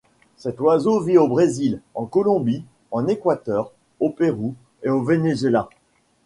Cet oiseau vit au Brésil, en Colombie, en Équateur, au Pérou et au Venezuela.